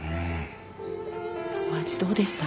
お味どうでした？